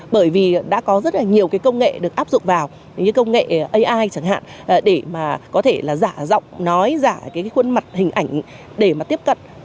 bởi vì đã có rất là nhiều công nghệ được áp dụng vào như công nghệ ai chẳng hạn để có thể giả giọng nói giả khuôn mặt hình ảnh để tiếp cận